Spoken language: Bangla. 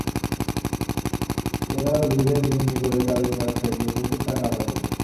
এরা রোগীদের জিম্মি করে তাদের কাছ থেকে প্রচুর টাকা আদায় করে।